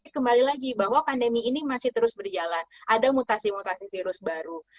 kembali lagi bahwa pandemi ini masih terus berjalan ada mutasi mutasi virus baru